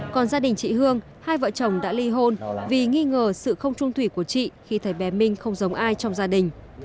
còn gia đình chị hương hai vợ chồng đã ly hôn vì nghi ngờ sự không trung thủy của chị khi thấy bé minh không giống ai trong gia đình